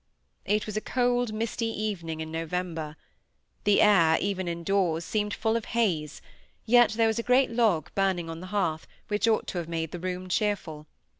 It was a cold misty evening in November. The air, even indoors, seemed full of haze; yet there was a great log burning on the hearth, which ought to have made the room cheerful.